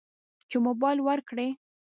چې موبایل ورکړي.